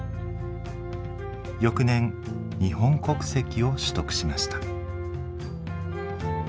翌年日本国籍を取得しました。